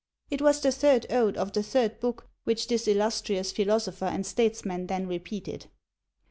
It was the third ode of the third book which this illustrious philosopher and statesman then repeated.